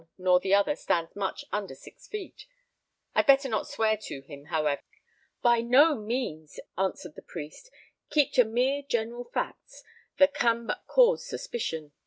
nor the other stands much under six feet. I'd better not swear to him, however, for that would be bad work." "By no means," answered the priest. "Keep to mere general facts; that can but cause suspicion.